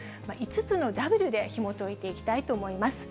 ５つのＷでひもといていきたいと思います。